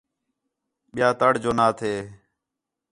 ٻِیا تَڑ جو نا تھے